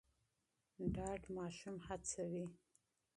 ډاډ ماشوم هڅوي.